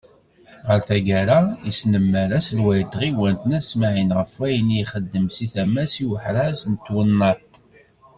Ɣer taggara, yesnemmer aselway n tɣiwant n At Smaεel ɣef wayen i ixeddem seg tama-s i uḥraz n twennaḍt.